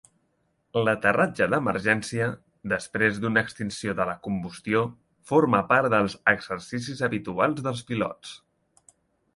L'aterratge d'emergència després d'una extinció de la combustió forma part dels exercicis habituals dels pilots.